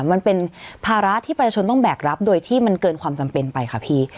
มันเป็นภาระที่ประชาชนต้องแบกรับโดยที่มันเกินความจำเป็นไปค่ะพี่